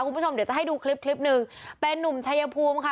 คุณผู้ชมเดี๋ยวจะให้ดูคลิปคลิปหนึ่งเป็นนุ่มชายภูมิค่ะ